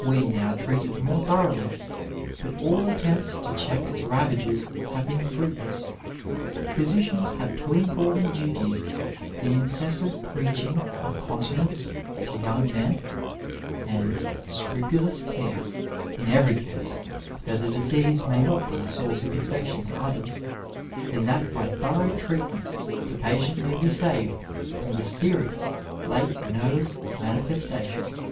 We now treat it more thoroughly, but all attempts to check its ravages have been fruitiess. Physicians have two important duties : the incessant preaching of continence to young men, and scrupulous care, in every case, that the disease may not be a source of infection to others, and that by thorough treatment the patient may be saved from the serious late nervous manifestations.